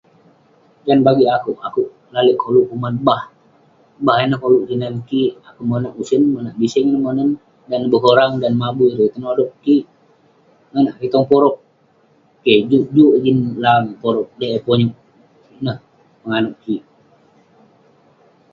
Dan bagik akouk, akouk lalek koluk kuman bah. Bah ineh koluk kinan kik. Akouk monak usen, monak biseng neh monen. dan neh bekorang, dan neh mabui erei, tenodog kik, nonak kik tong porog. Keh, juk juk jin lang porog dei eh ponyouk. Keh, ineh penganouk kik.